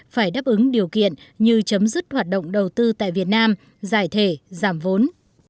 phải đáp ứng điều kiện như chấm dứt hoạt động đầu tư tại việt nam giải thể giảm vốn